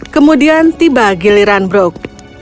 kemudian tiba giliran brokk